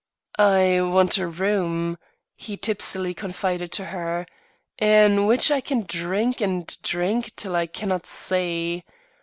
"I want a room," he tipsily confided to her, "in which I can drink and drink till I cannot see.